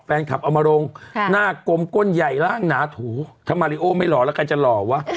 เอามาลงหน้ากลมก้นใหญ่ร่างหนาถูถ้ามาริโอไม่หล่อแล้วใครจะหล่อวะ